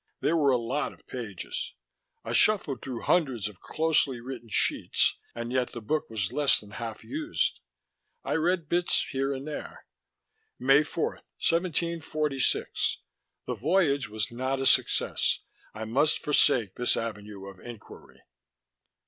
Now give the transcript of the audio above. There were a lot of pages I shuffled through hundreds of closely written sheets, and yet the book was less than half used. I read bits here and there: _"May 4, 1746. The Voyage was not a Succefs. I must forsake this avenue of Enquiry....